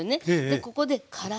ここでからし。